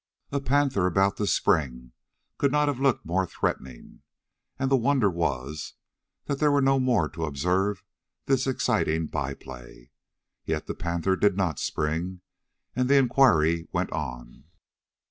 A panther about to spring could not have looked more threatening, and the wonder was, that there were no more to observe this exciting by play. Yet the panther did not spring, and the inquiry went on.